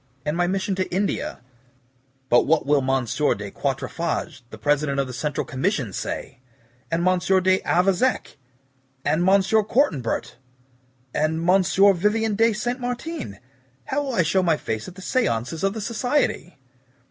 "And my mission to India. But what will M. de Quatre fages, the President of the Central Commission, say? And M. d' Avezac? And M. Cortanbert? And M. Vivien de Saint Martin? How shall I show my face at the SEANCES of the Society?"